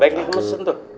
baik nih nge mess en tuh